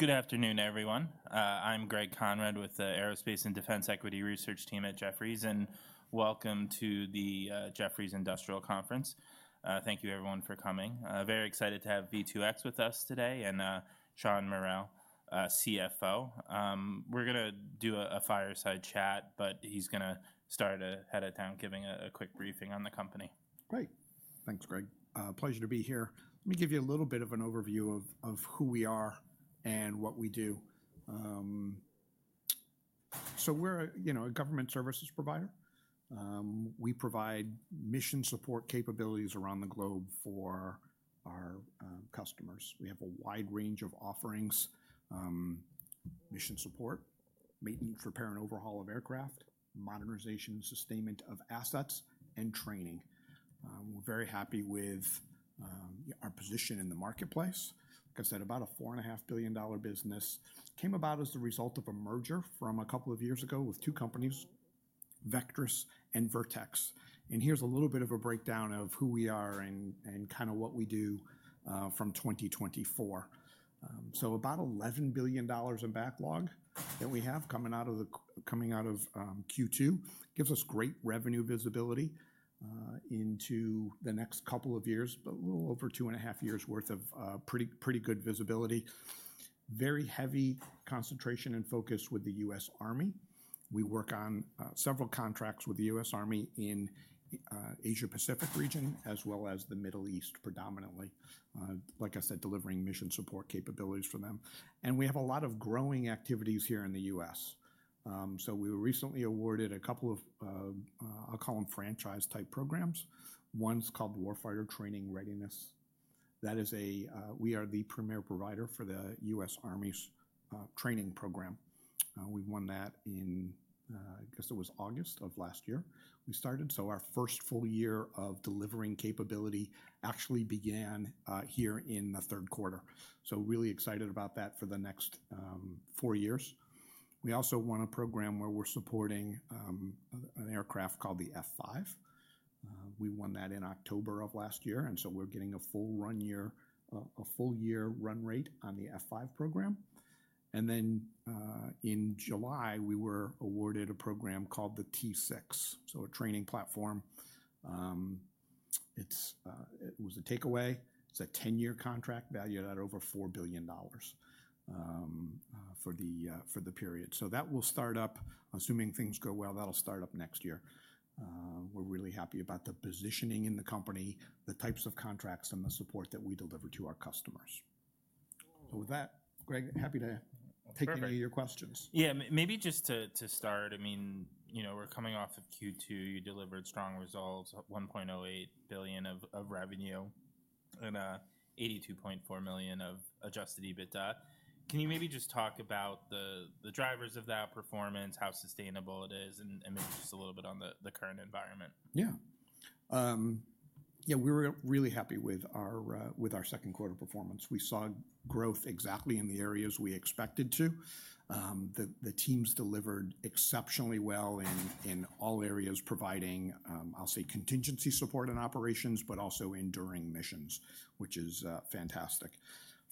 Good afternoon, everyone. I'm Greg Conrad with the aerospace and defense equity research team at Jefferies, and welcome to the, Jefferies Industrial Conference. Thank you everyone for coming. Very excited to have v two x with us today and, Sean Morell, CFO. We're gonna do a fireside chat, but he's gonna start ahead of time giving a a quick briefing on the company. Great. Thanks, Greg. Pleasure to be here. Let me give you a little bit of an overview of of who we are and what we do. So we're, you know, a government services provider. We provide mission support capabilities around the globe for our customers. We have a wide range of offerings, mission support, maintenance, repair, and overhaul of aircraft, modernization and sustainment of assets, and training. We're very happy with, our position in the marketplace. Like I said, about a 4 and a half billion dollar business came about as the result of a merger from a couple of years ago with two companies, Vectrus and Vertex. And here's a little bit of a breakdown of who we are and and kinda what we do, from 2024. So about $11,000,000,000 in backlog that we have coming out of the coming out of, q two gives us great revenue visibility, into the next couple of years, but a little over two and a half years worth of, pretty pretty good visibility. Very heavy concentration and focus with the US Army. We work on, several contracts with the US Army in, Asia Pacific region as well as The Middle East predominantly. Like I said, delivering mission support capabilities for them. And we have a lot of growing activities here in The US. So we were recently awarded a couple of, I'll call them franchise type programs. One's called Warfighter Training Readiness. That is a, we are the premier provider for the US Army's training program. We won that in, I guess it was August we started. So our first full year of delivering capability actually began, here in the third quarter. So really excited about that for the next, four years. We also won a program where we're supporting, an aircraft called the f five. We won that in October, and so we're getting a full run year a full year run rate on the f five program. And then, in July, we were awarded a program called the t six, so a training platform. It's, it was a takeaway. It's a ten year contract valued at over $4,000,000,000 for the, for the period. So that will start up. Assuming things go well, that'll start up next year. We're really happy about the positioning in the company, the types of contracts, the support that we deliver to our customers. So with that, Greg, happy to take any of your questions. Yeah. Maybe just to to start, I mean, you know, we're coming off of q two. You delivered strong results of 1,080,000,000.00 of of revenue and 82,400,000.0 of adjusted EBITDA. Can you maybe just talk about the the drivers of that performance, how sustainable it is, and and maybe just a little bit on the the current environment? Yeah. Yeah. We were really happy with our, with our second quarter performance. We saw growth exactly in the areas we expected to. The the teams delivered exceptionally well in in all areas providing, I'll say, contingency support in operations, but also enduring missions, which is, fantastic.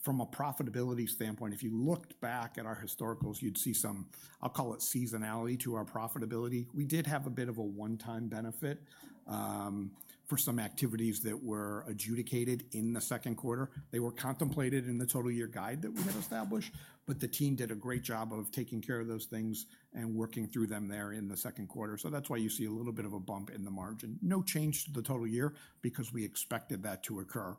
From a profitability standpoint, if you looked back at our historicals, you'd see some, I'll call it, seasonality to our profitability. We did have a bit of a onetime benefit for some activities that were adjudicated in the second quarter. They were contemplated in the total year guide that we had established, but the team did a great job of taking care of those things and working through them there in the second quarter. So that's why you see a little bit of a bump in the margin. No change to the total year because we expected that to occur.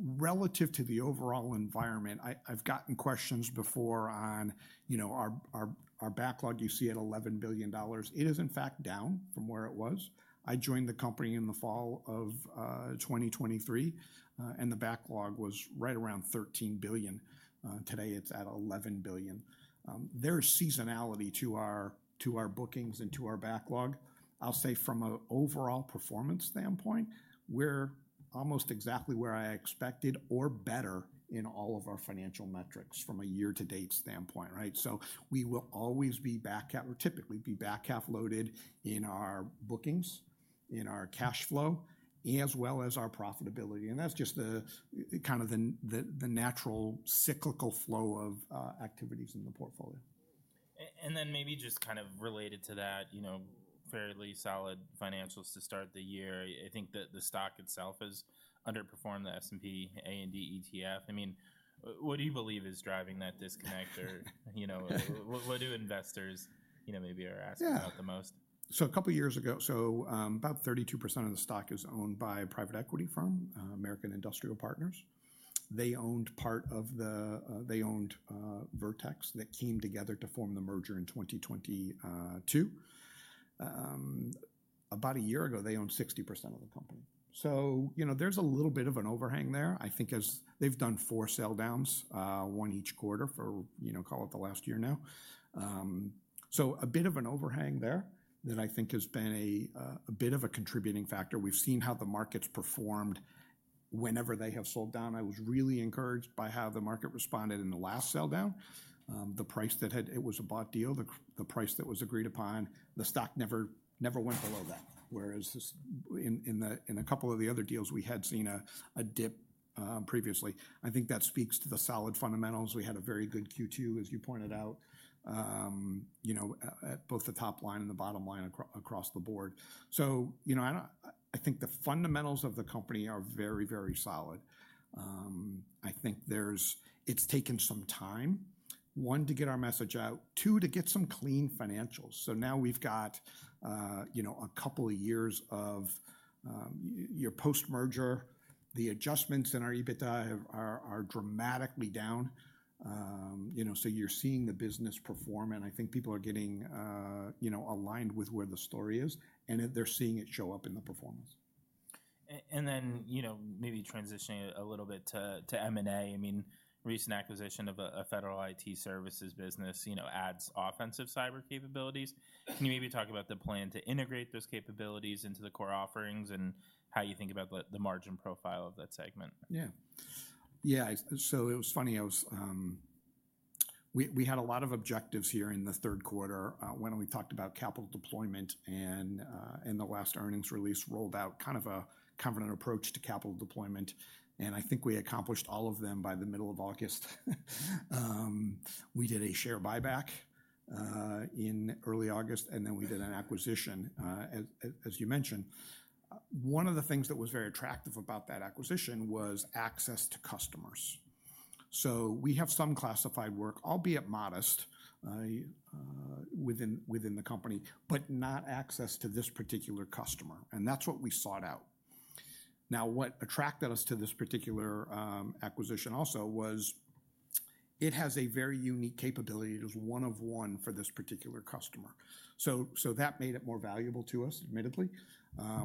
Relative to the overall environment, I I've gotten questions before on, you know, our our our backlog you see at $11,000,000,000. It is in fact down from where it was. I joined the company in the fall of, 2023, and the backlog was right around 13,000,000,000. Today, it's at 11,000,000,000. There's seasonality to our to our bookings and to our backlog. I'll say from a overall performance standpoint, we're almost exactly where I expected or better in all of our financial metrics from a year to date standpoint. Right? So we will always be back half or typically be back half loaded in our bookings, in our cash flow, as well as our profitability. And that's just the kind of the the the natural cyclical flow of, activities in the portfolio. And then maybe just kind of related to that, you know, fairly solid financials to start the year. I think that the stock itself has underperformed the S and P, A and D, ETF. I mean, what do you believe is driving that disconnect? Or, you know, what what do investors, you know, maybe are asking about the most? So a couple years ago so, about 32% of the stock is owned by a private equity firm, American Industrial Partners. They owned part of the, they owned, Vertex that came together to form the merger in 2020, '2. About a year ago, they owned 60% of the company. So, you know, there's a little bit of an overhang there. I think as they've done four sell downs, one each quarter for, you know, call it the last year now. So a bit of an overhang there that I think has been a, a bit of a contributing factor. We've seen how the market's performed whenever they have sold down. I was really encouraged by how the market responded in the last sell down. The price that had it was a bought deal. The the price that was agreed upon, the stock never never went below that. Whereas this in in the in a couple of the other deals, we had seen a a dip previously. I think that speaks to the solid fundamentals. We had a very good q two, as you pointed out, you know, at both the top line and the bottom line across the board. So, you know, I don't I think the fundamentals of the company are very, very solid. I think there's it's taken some time, one, to get our message out, two, to get some clean financials. So now we've got, you know, a couple of years of your post merger. The adjustments in our EBITDA have are are dramatically down. You know? So you're seeing the business perform, and I think people are getting, you know, aligned with where the story is, and that they're seeing it show up in the performance. And then, you know, maybe transitioning a little bit to to m and a. I mean, recent acquisition of a a federal IT services business, you know, adds offensive cyber capabilities. Can you maybe talk about the plan to integrate those capabilities into the core offerings and how you think about the the margin profile of that segment. Yeah. Yeah. So it was funny. I was, we we had a lot of objectives here in the third quarter, when we talked about capital deployment. And, in the last earnings release, rolled out kind of a covenant approach to capital deployment. And I think we accomplished all of them by the August. We did a share buyback, in early August, and then we did an acquisition, as you mentioned. One of the things that was very attractive about that acquisition was access to customers. So we have some classified work, albeit modest, within within the company, but not access to this particular customer, and that's what we sought out. Now what attracted us to this particular, acquisition also was it has a very unique capability. It was one of one for this particular customer. So so that made it more valuable to us, admittedly,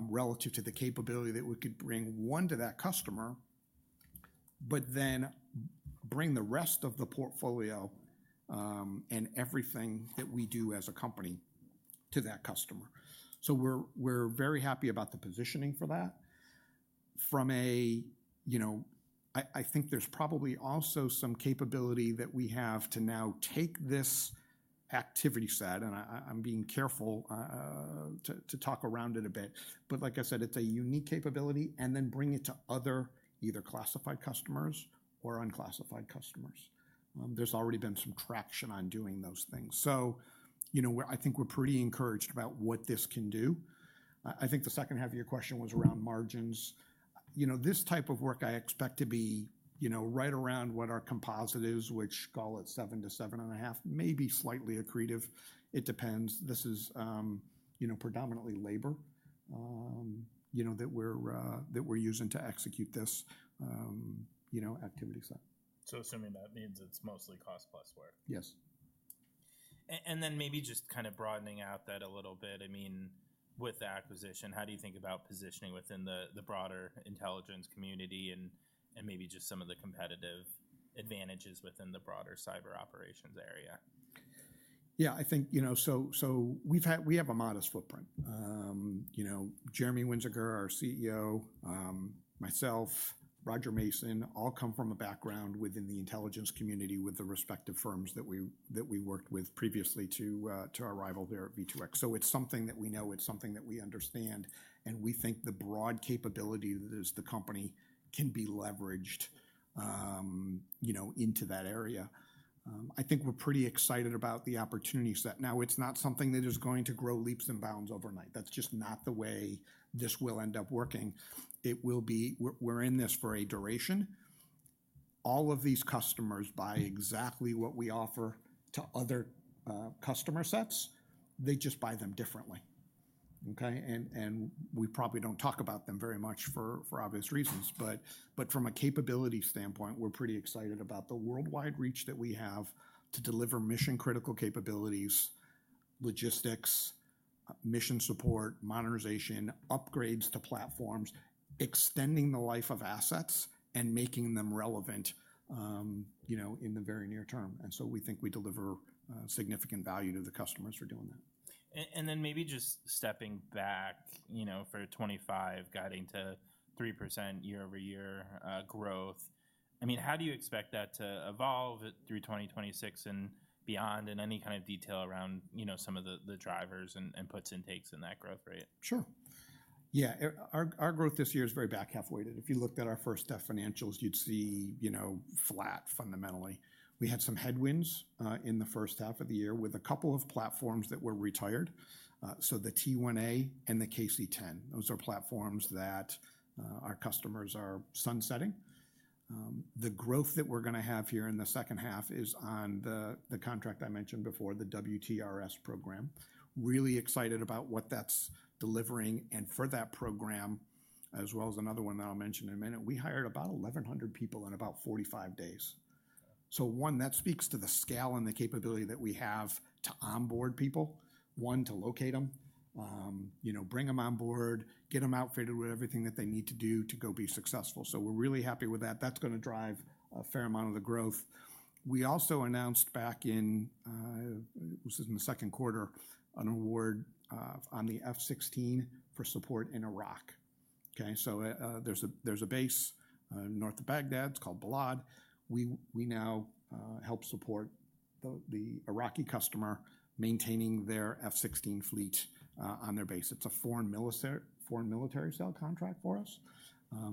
relative to the capability that we could bring one to that customer, but then bring the rest of the portfolio, and everything that we do as a company to that customer. So we're we're very happy about the positioning for that. From a you know, I I think there's probably also some capability that we have to now take this activity set, and I I'm being careful, to to talk around it a bit. But like I said, it's a unique capability and then bring it to other either classified customers or unclassified customers. There's already been some traction on doing those things. So, you know, we're I think we're pretty encouraged about what this can do. Think the second half of your question was around margins. You know, this type of work, I expect to be, you know, right around what our composite is, which call it seven to seven and a half, maybe slightly accretive. It depends. This is, you know, predominantly labor, you know, that we're, that we're using to execute this, you know, activity set. So assuming that means it's mostly cost plus work? Yes. And then maybe just kind of broadening out that a little bit. I mean, with the acquisition, how do you think about positioning within the the broader intelligence community and and maybe just some of the competitive advantages within the broader cyber operations area? Yeah. I think, you know so so we've had we have a modest footprint. You know, Jeremy Winziger, our CEO, myself, Roger Mason, all come from a background within the intelligence community with the respective firms that we that we worked with previously to, to our rival there at v two x. So it's something that we know. It's something that we understand, and we think the broad capability that is the company can be leveraged, you know, into that area. I think we're pretty excited about the opportunity set. Now it's not something that is going to grow leaps and bounds overnight. That's just not the way this will end up working. It will be we're we're in this for a duration. All of these customers buy exactly what we offer to other, customer sets. They just buy them differently. Okay? And and we probably don't talk about them very much for obvious reasons. But but from a capability standpoint, we're pretty excited about the worldwide reach that we have to deliver mission critical capabilities, logistics, mission support, modernization, upgrades to platforms, extending the life of assets, and making them relevant, you know, in the very near term. And so we think we deliver, significant value to the customers for doing that. And then maybe just stepping back, you know, for '25 guiding to 3% year over year, growth. I mean, how do you expect that to evolve through 2026 and beyond? And any kind of detail around, you know, some of the the drivers and and puts and takes in that growth rate? Sure. Yeah. Our our growth this year is very back half weighted. If you looked at our first step financials, you'd see, you know, flat fundamentally. We had some headwinds, in the first half of the year with a couple of platforms that were retired. So the t one a and the k c 10. Those are platforms that, our customers are sunsetting. The growth that we're gonna have here in the second half is on the the contract I mentioned before, the WTRS program. Really excited about what that's delivering. And for that program, as well as another one that I'll mention in a minute, we hired about 1,100 people in about forty five days. So one, that speaks to the scale and the capability that we have to onboard people. One, to locate them, you know, bring them onboard, get them outfitted with everything that they need to do to go be successful. So we're really happy with that. That's gonna drive a fair amount of the growth. We also announced back in, this is in the second quarter, an award, on the f 16 for support in Iraq. K? So, there's a there's a base, North Of Baghdad. It's called Balad. We we now, help support the the Iraqi customer maintaining their f 16 fleet, on their base. It's a foreign military foreign military sale contract for us.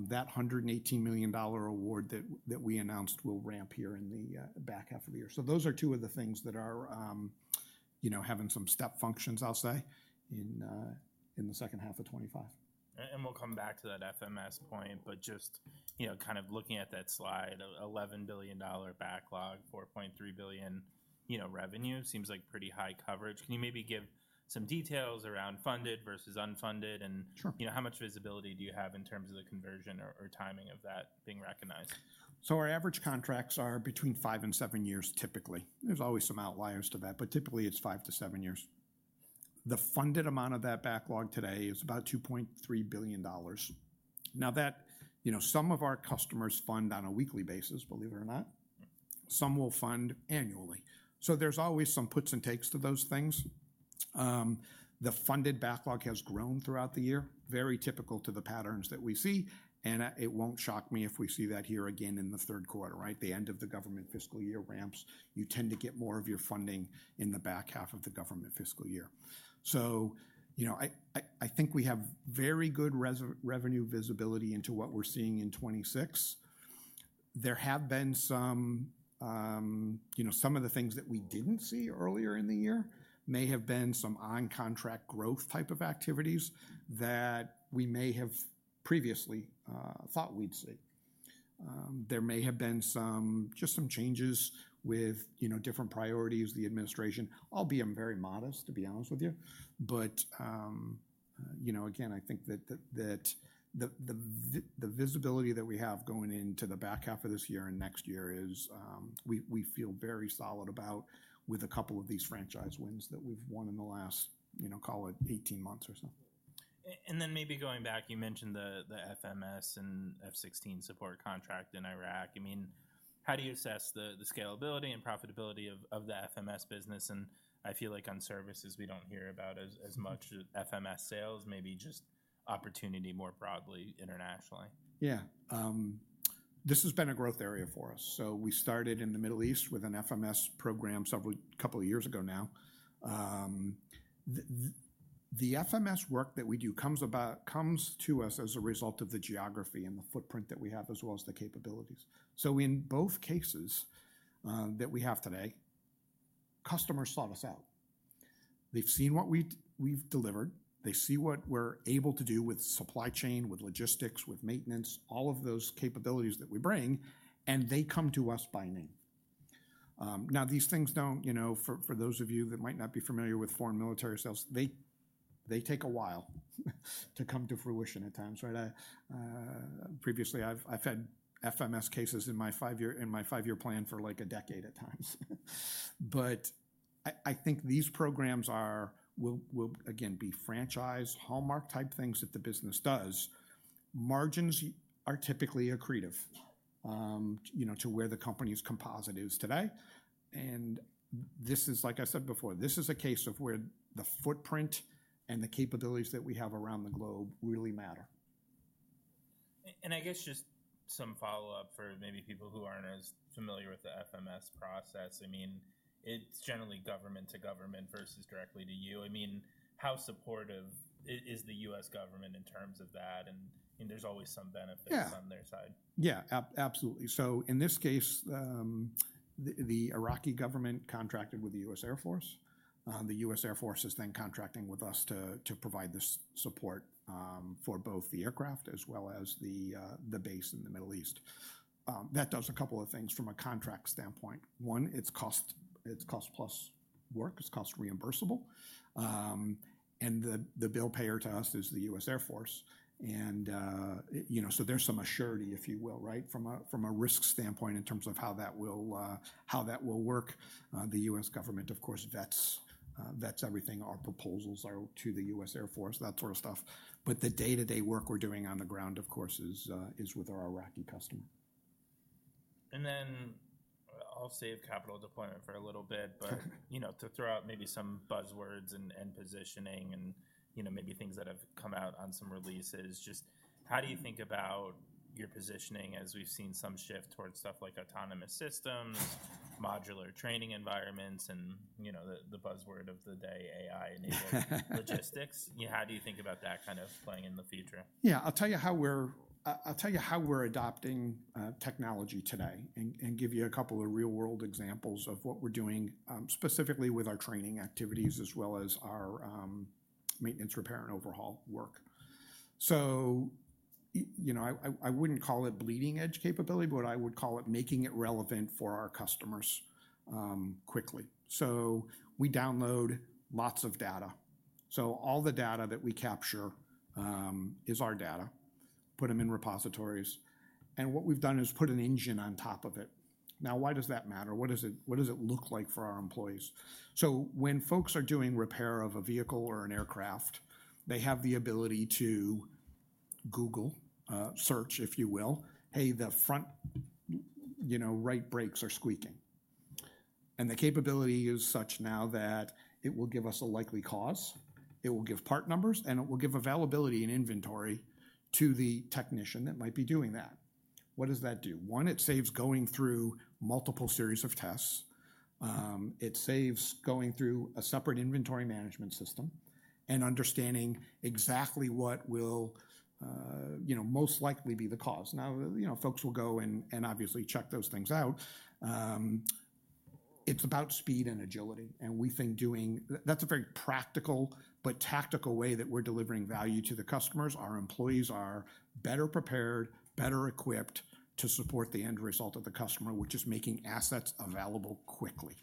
That $118,000,000 award that that we announced will ramp ramp here in the back half of the year. So those are two of the things that are, you know, having some step functions, I'll say, in, in the '25. And we'll come back to that FMS point, but just, kind of looking at that slide, $11,000,000,000 backlog, 4,300,000,000.0 revenue seems like pretty high coverage. Can you maybe give some details around funded versus unfunded? And how much visibility do you have in terms of the conversion or timing of that being recognized? So our average contracts are between five and seven years, typically. There's always some outliers to that, but, typically, it's five to seven years. The funded amount of that backlog today is about $2,300,000,000. Now that, you know, some of our customers fund on a weekly basis, believe it or not. Some will fund annually. So there's always some puts and takes to those things. The funded backlog has grown throughout the year, very typical to the patterns that we see, and it won't shock me if we see that here again in the third quarter. Right? The end of the government fiscal year ramps, you tend to get more of your funding in the back half of the government fiscal year. So, you know, I I I think we have very good revenue visibility into what we're seeing in '26. There have been some, you know, some of the things that we didn't see earlier in the year may have been some on contract growth type of activities that we may have previously, thought we'd see. There may have been some just some changes with, you know, different priorities, the administration. I'll be very modest, to be honest with you. But, you know, again, I think that that that the the the visibility that we have going into the back half of this year and next year is, we we feel very solid about with a couple of these franchise wins that we've won in the last, you know, call it eighteen months or so. And then maybe going back, you mentioned the the FMS and f 16 support contract in Iraq. I mean, how do you assess the the scalability and profitability of of the FMS business? And I feel like on services, we don't hear about as as much FMS sales, maybe just opportunity more broadly internationally. Yeah. This has been a growth area for us. So we started in The Middle East with an FMS program several couple years ago now. The FMS work that we do comes about comes to us as a result of the geography and the footprint that we have as well as the capabilities. So in both cases, that we have today, customers sought us out. They've seen what we've we've delivered. They see what we're able to do with supply chain, with logistics, with maintenance, all of those capabilities that we bring, and they come to us by name. Now these things don't you know, for for those of you that might not be familiar with foreign military sales, they they take a while to come to fruition at times. Right? Previously, I've I've had FMS cases in my five year in my five year plan for, like, a decade at times. But I I think these programs are will will, again, be franchise, hallmark type things that the business does. Margins are typically accretive, you know, to where the company's composite is today. And this is like I said before, this is a case of where the footprint and the capabilities that we have around the globe really matter. And I guess just some follow-up for maybe people who aren't as familiar with the FMS process. I mean, it's generally government to government versus directly to you. I mean, how supportive is the US government in terms of that? And and there's always some benefits on their side. Yeah. Absolutely. So in this case, the the Iraqi government contracted with the US Air Force. The US Air Force is then contracting with us to to provide this support, for both the aircraft as well as the, the base in The Middle East. That does a couple of things from a contract standpoint. One, it's cost it's cost plus work. It's cost reimbursable. And the the bill payer to us is the US Air Force. And, you know, so there's some assurity, if you will, right, from a from a risk standpoint in terms of how that will, how that will work. The US government, of course, vets, vets everything. Our proposals are to the US Air Force, that sort of stuff. But the day to day work we're doing on the ground, of course, is, is with our Iraqi customer. And then I'll save capital deployment for a little bit, but, you know, to throw out maybe some buzzwords and and positioning and, you know, maybe things that have come out on some releases. Just how do you think about your positioning as we seen some shift towards stuff like autonomous systems, modular training environments, and, you know, the the buzzword of the day, AI enabled logistics? You know, how do you think about that kind of playing in the future? Yeah. I'll tell you how we're I'll tell you how we're adopting technology today and and give you a couple of real world examples of what we're doing, specifically with our training activities as well as our maintenance repair and overhaul work. So, you know, I I I wouldn't call it bleeding edge capability, but I would call it making it relevant for our customers, quickly. So we download lots of data. So all the data that we capture, is our data, put them in repositories. And what we've done is put an engine on top of it. Now why does that matter? What does it what does it look like for our employees? So when folks are doing repair of a vehicle or an aircraft, they have the ability to Google, search, if you will. Hey. The front, you know, right brakes are squeaking. And the capability is such now that it will give us a likely cause. It will give part numbers, and it will give availability and inventory to the technician that might be doing that. What does that do? One, it saves going through multiple series of tests. It saves going through a separate inventory management system and understanding exactly what will, you know, most likely be the cause. Now, you know, folks will go and and obviously check those things out. It's about speed and agility, and we think doing that's a very practical but tactical way that we're delivering value to the customers. Our employees are better prepared, better equipped to support the end result of the customer, which is making assets available quickly.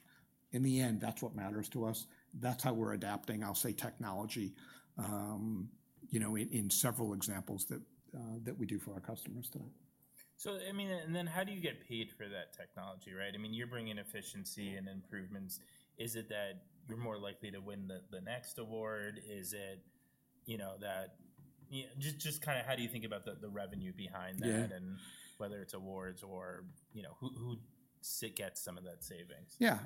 In the end, that's what matters to us. That's how we're adapting, I'll say, technology, you know, in several examples that, that we do for our customers today. So I mean and then how do you get paid for that technology? Right? I mean, you're bringing efficiency and improvements. Is it that you're more likely to win the the next award? Is it, you know, that just just kinda how do you think about the the revenue behind that and whether it's awards or, you know, who who sit get some of that savings? Yeah.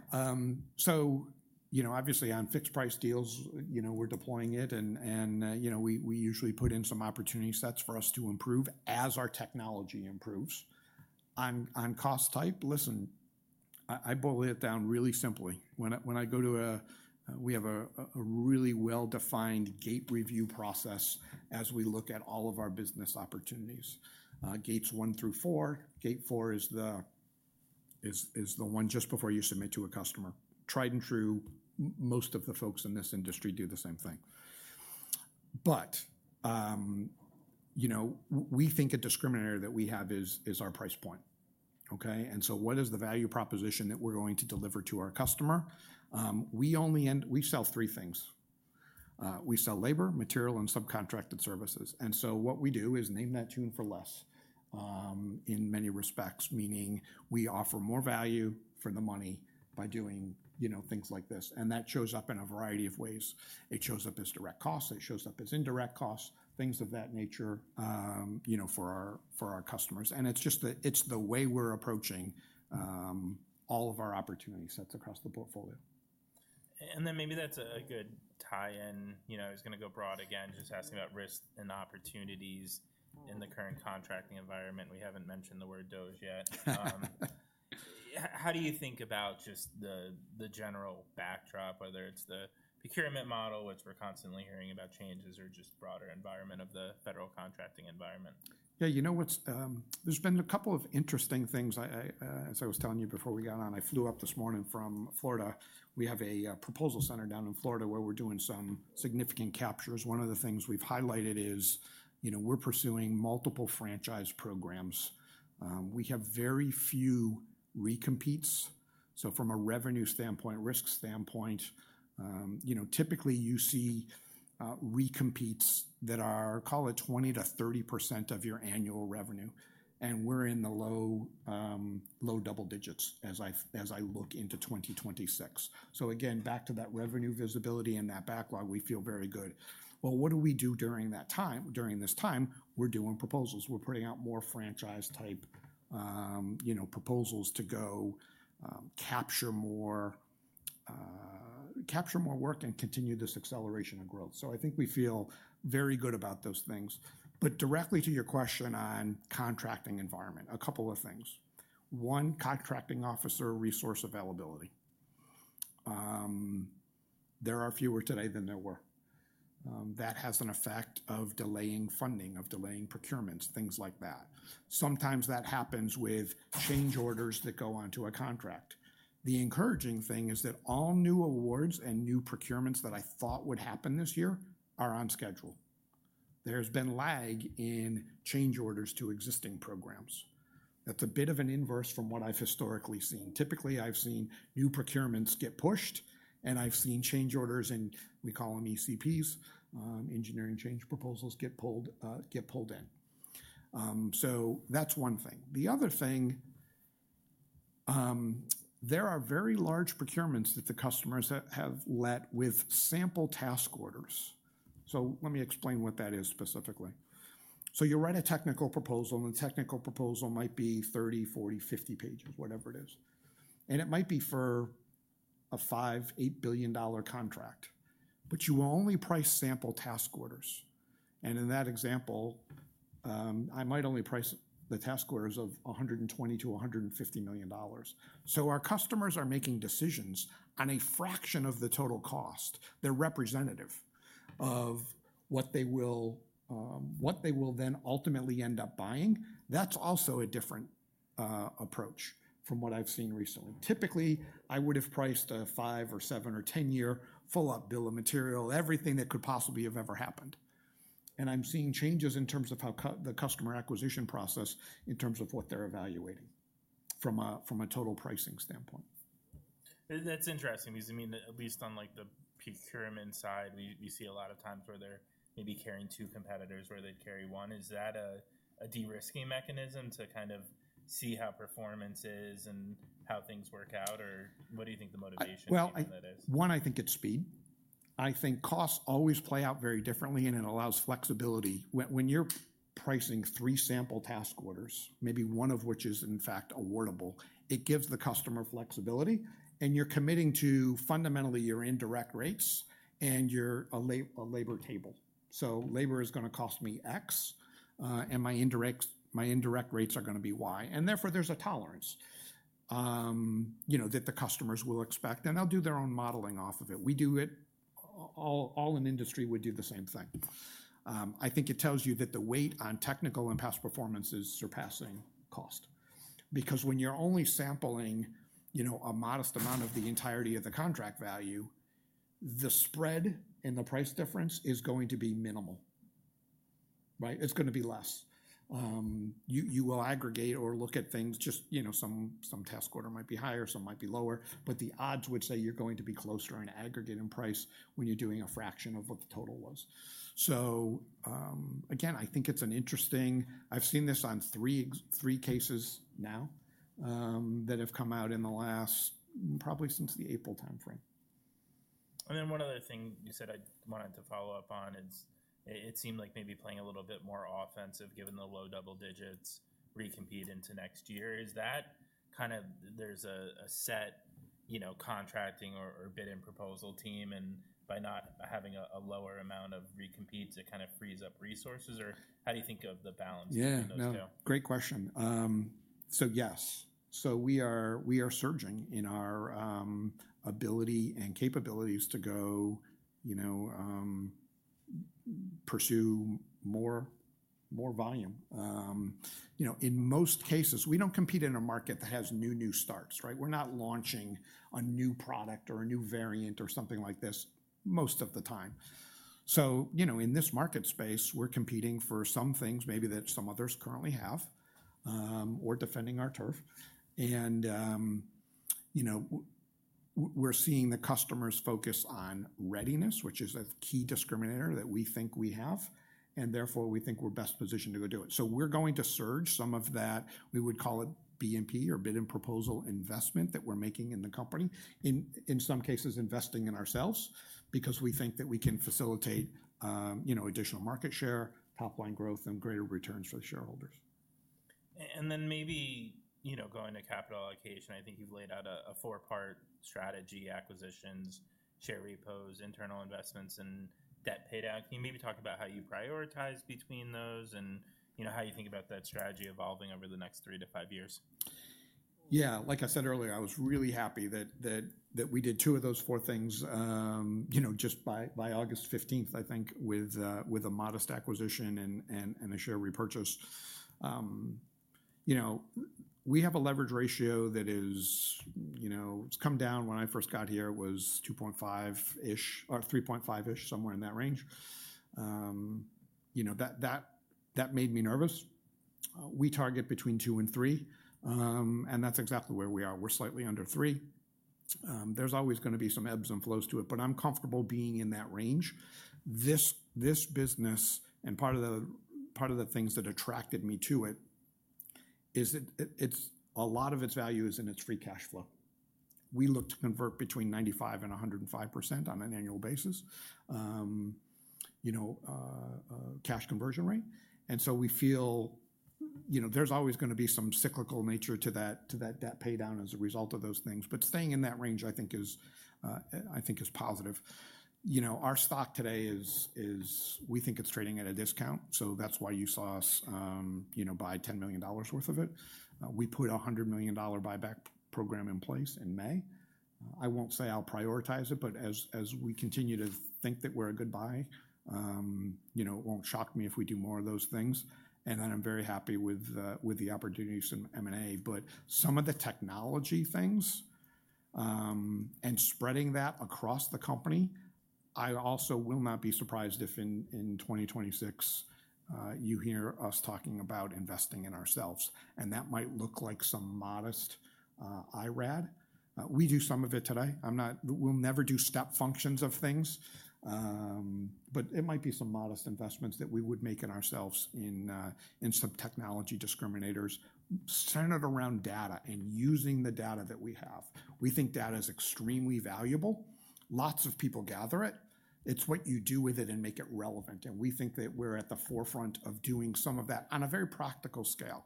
So, you know, obviously, on fixed price deals, you know, we're deploying it, and and, you know, we we usually put in some opportunity sets for us to improve as our technology improves. On on cost type, listen, I I boil it down really simply. When I when I go to a we have a a really well defined gate review process as we look at all of our business opportunities. Gates one through four, gate four is the is is the one just before you submit to a customer. Tried and true. Most of the folks in this industry do the same thing. But, you know, we think a discriminator that we have is is our price point. Okay? And so what is the value proposition that we're going to deliver to our customer? We only end we sell three things. We sell labor, material, and subcontracted services. And so what we do is name that tune for less, in many respects, meaning we offer more value for the money by doing, you know, things like this. And that shows up in a variety of ways. It shows up as direct cost. It shows up as indirect cost, things of that nature, you know, for our for our customers. And it's just the it's the way we're approaching all of our opportunity sets across the portfolio. And then maybe that's a good tie in. You know, I was gonna go broad again, just asking about risk and opportunities in the current contracting environment. We haven't mentioned the word dose yet. How do you think about just the the general backdrop, whether it's the procurement model, which we're constantly hearing about changes or just broader environment of the federal contracting environment? Yeah. You know what's, there's been a couple of interesting things. I I, as I was telling you before we got on, I flew up this morning from Florida. We have a proposal center down in Florida where we're doing some significant captures. One of the things we've highlighted is, you know, we're pursuing multiple franchise programs. We have very few recompetes. So from a revenue standpoint, risk standpoint, you know, typically, you see, recompetes that are, call it, 20 to 30% of your annual revenue, and we're in the low, low double digits as I as I look into 2026. So, again, back to that revenue visibility and that backlog, we feel very good. Well, what do we do during that time? During this time, we're doing proposals. We're putting out more franchise type, you know, proposals to go, capture more, capture more work and continue this acceleration of growth. So I think we feel very good about those things. But directly to your question on contracting environment, a couple of things. One, contracting officer resource availability. There are fewer today than there were. That has an effect of delaying funding, of delaying procurements, things like that. Sometimes that happens with change orders that go onto a contract. The encouraging thing is that all new awards and new procurements that I thought would happen this year are on schedule. There's been lag in change orders to existing programs. That's a bit of an inverse from what I've historically seen. Typically, I've seen new procurements get pushed, and I've seen change orders in we call them ECPs, engineering change proposals get pulled, get pulled in. So that's one thing. The other thing, there are very large procurements that the customers have let with sample task orders. So let me explain what that is specifically. So you write a technical proposal, and the technical proposal might be thirty, forty, 50 pages, whatever it is. And it might be for a $58,000,000,000 contract, but you will only price sample task orders. And in that example, I might only price the task orders of a 120 to a $150,000,000. So our customers are making decisions on a fraction of the total cost. They're representative of what they will, what they will then ultimately end up buying, that's also a different, approach from what I've seen recently. Typically, I would have priced a five or seven or ten year full up bill of material, everything that could possibly have ever happened. And I'm seeing changes in terms of how the customer acquisition process in terms of what they're evaluating from a from a total pricing standpoint. That's interesting. Because, I mean, at least on, like, the procurement side, we we see a lot of times where they're maybe carrying two competitors where they carry one. Is that a a derisking mechanism to kind of see how performance is and how things work out, or what do you think the motivation behind that is? One, think it's speed. I think costs always play out very differently, and it allows flexibility. When you're pricing three sample task orders, maybe one of which is in fact awardable, it gives the customer flexibility. And you're committing to fundamentally your indirect rates and your a lay a labor table. So labor is gonna cost me x, and my indirects my indirect rates are gonna be y. And, there's a tolerance, you know, that the customers will expect, and they'll do their own modeling off of it. We do it all all in industry would do the same thing. I think it tells you that the weight on technical and past performance is surpassing cost. Because when you're only sampling, you know, a modest amount of the entirety of the contract value, the spread and the price difference is going to be minimal. Right? It's gonna be less. You you will aggregate or look at things just you know, some some task order might be higher, some might be lower, but the odds would say you're going to be closer in aggregate in price when you're doing a fraction of what the total was. So, again, I think it's an interesting I've seen this on three three cases now, that have come out in the last probably since the April time frame. And then one other thing you said I wanted to follow-up on is it seemed like maybe playing a little bit more offensive given the low double digits recompete into next year. Is that kind of there's a a set contracting or or bid and proposal team and by not having a a lower amount of recompetes, it kind of frees up resources? Or how do you think of the balance between those two? Great question. So, yes. So we are we are surging in our, ability and capabilities to go, you know, pursue more more volume. You know, in most cases, we don't compete in a market that has new new starts. Right? We're not launching a new product or a new variant or something like this most of the time. So, you know, in this market space, we're competing for some things maybe that some others currently have or defending our turf. And, you know, we're seeing the customers focus on readiness, which is a key discriminator that we think we have, and therefore, we think we're best positioned to go do it. So we're going to surge some of that. We would call it BNP or bid and proposal investment that we're making in the company, in in some cases investing in ourselves because we think that we can facilitate, you know, additional market share, top line growth, and greater returns for shareholders. And then maybe, you know, going to capital allocation, I think you've laid out a a four part strategy, acquisitions, share repos, internal investments, and debt pay down. Can you maybe talk about how you prioritize between those and, you know, how you think about that strategy evolving over the next three to five years? Yeah. Like I said earlier, I was really happy that that that we did two of those four things, you know, just by by August 15, I think, with, with a modest acquisition and and and a share repurchase. You know, we have a leverage ratio that is you know, it's come down. When I first got here, it was 2.5 ish or 3.5 ish, somewhere in that range. You know, that that that made me nervous. We target between two and three, and that's exactly where we are. We're slightly under three. There's always gonna be some ebbs and flows to it, but I'm comfortable being in that range. This this business and part of the part of the things that attracted me to it is it it's a lot of its value is in its free cash flow. We look to convert between 95 and a 105% on an annual basis, you know, cash conversion rate. And so we feel, you know, there's always gonna be some cyclical nature to that to that debt pay down as a result of those things. But staying in that range, I think, is, I think, positive. You know, our stock today is is we think it's trading at a discount, so that's why you saw us, you know, buy $10,000,000 worth of it. We put a $100,000,000 buyback program in place in May. I won't say I'll prioritize it, but as as we continue to think that we're a good buy, you know, it won't shock me if we do more of those things. And then I'm very happy with the with the opportunities in m and a. But some of the technology things and spreading that across the company. I also will not be surprised if in in 2026, you hear us talking about investing in ourselves, and that might look like some modest IRAD. We do some of it today. I'm not we'll never do step functions of things, but it might be some modest investments that we would make in ourselves in, in some technology discriminators centered around data and using the data that we have. We think data is extremely valuable. Lots of people gather it. It's what you do with it and make it relevant, and we think that we're at the forefront of doing some of that on a very practical scale.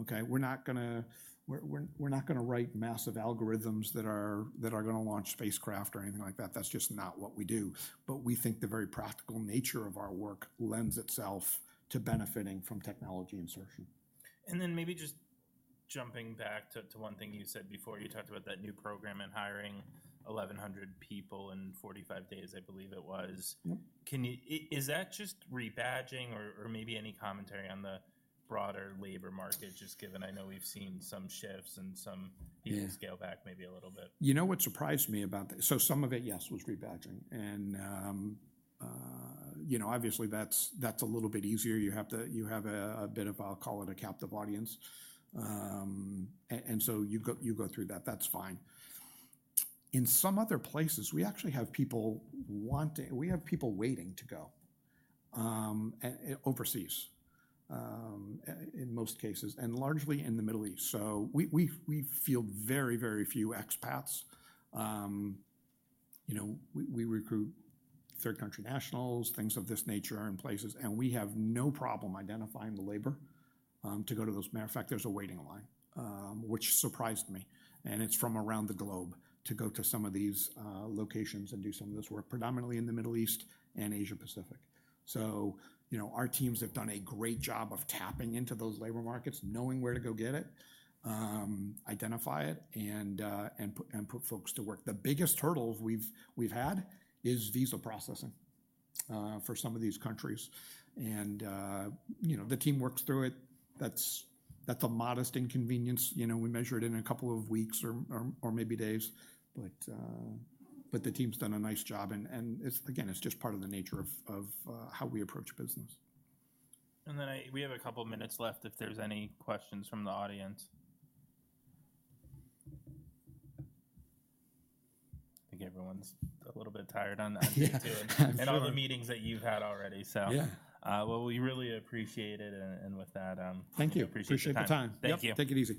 Okay? We're not gonna we're we're we're not gonna write massive algorithms that are that are gonna launch spacecraft or anything like that. That's just not what we do. But we think the very practical nature of our work lends itself to benefiting from technology insertion. And then maybe just jumping back to to one thing you said before. You talked about that new program and hiring 1,100 people in forty five days, I believe it was. Yep. Can you is that just rebadging or or maybe any commentary on the broader labor market just given I know we've seen some shifts and some scale back maybe a little bit? You know what surprised me about this? So some of it, yes, was rebadging. And, you know, obviously, that's that's a little bit easier. You have to you have a bit of, I'll call it, a captive audience. And so you go you go through that. That's fine. In some other places, we actually have people wanting we have people waiting to go overseas, in most cases and largely in The Middle East. So we we we feel very, very few expats. You know, we we recruit third country nationals, things of this nature in places, and we have no problem identifying the labor, to go to those. Matter of fact, there's a waiting line, which surprised me. And it's from around the globe to go to some of these, locations and do some of this work predominantly in The Middle East and Asia Pacific. So, you know, our teams have done a great job of tapping into those labor markets, knowing where to go get it, identify it, and and and put folks to work. The biggest hurdles we've we've had is visa processing for some of these countries. And, you know, the team works through it. That's that's a modest inconvenience. You know, we measure it in a couple of weeks or or or maybe days, but but the team's done a nice job, and and it's again, it's just part of the nature of of, how we approach business. And then I we have a couple minutes left if there's any questions from the audience. Think everyone's a little bit tired on that. Think too. And all the meetings that you've had already. So Yeah. Well, we really appreciate it. And and with that Thank you. Appreciate your Thank you. Take it easy.